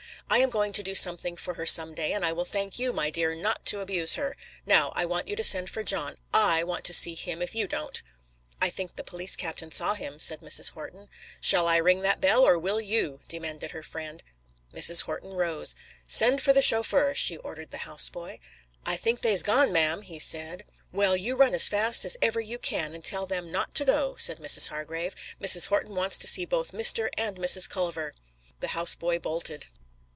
I am going to do something for her some day, and I will thank you, my dear, not to abuse her. Now I want you to send for John. I want to see him if you don't." "I think the police captain saw him," said Mrs. Horton. "Shall I ring that bell or will you?" demanded her friend. Mrs. Horton rose. "Send for the chauffeur," she ordered the house boy. "I think they's gone, ma'am," he said. "Well, you run as fast as ever you can and tell them not to go," said Mrs. Hargrave. "Mrs. Horton wants to see both Mr. and Mrs. Culver." The house boy bolted.